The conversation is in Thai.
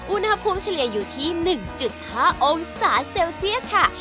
อุณหภูมิเฉลี่ยอยู่ที่๑๕องศาเซลเซียสค่ะ